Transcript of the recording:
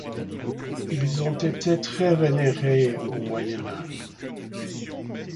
Ils ont été très vénérés au Moyen Âge.